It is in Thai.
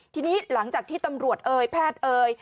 ทีนี้หลังจากที่ตำรวจเอ่ยแพทย์เอ่ย